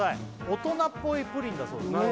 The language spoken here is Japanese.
大人っぽいプリンだそうですね